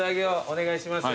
お願いします。